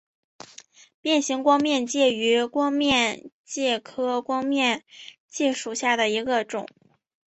变形光面介为光面介科光面介属下的一个种。